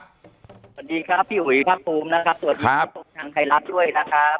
สวัสดีครับพี่อุ๋ยภาคภูมินะครับสวัสดีคุณผู้ชมทางไทยรัฐด้วยนะครับ